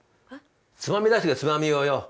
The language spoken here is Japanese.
つまみ出してくれつまみをよ。